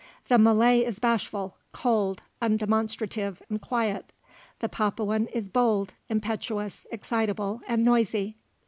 The Malay is bashful, cold, undemonstrative, and quiet; the Papuan is bold, impetuous, excitable, and noisy.